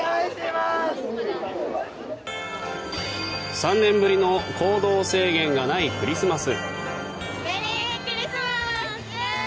３年ぶりの行動制限がないクリスマス。